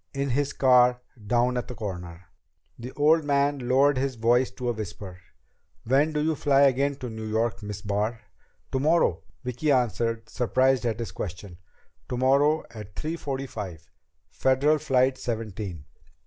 In his car down at the corner." The old man lowered his voice to a whisper. "When do you fly again to New York, Miss Barr?" "Tomorrow," Vicki answered, surprised at this question. "Tomorrow at three forty five. Federal Flight Seventeen."